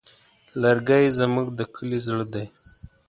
لرګی زموږ د کلي زړه دی.